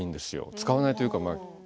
使わないというか。